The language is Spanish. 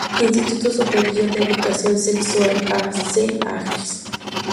Instituto Superior de Educación Sexual, A. C. Ags.